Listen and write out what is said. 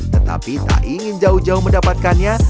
tetapi tak ingin jauh jauh mendapatkannya